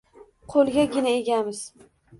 Qo’lgagina egamiz?